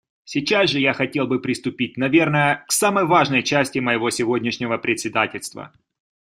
Сейчас же я хотел бы приступить, наверное, к самой важной части моего сегодняшнего председательства...